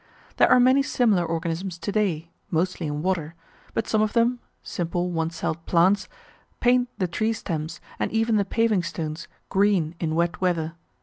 There are many similar organisms to day, mostly in water, but some of them simple one celled plants paint the tree stems and even the paving stones green in wet weather.